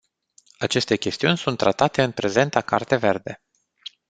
Aceste chestiuni sunt tratate în prezenta carte verde.